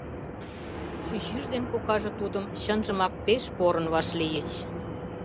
Чӱчӱж ден кокаже тудым чынжымак пеш порын вашлийыч.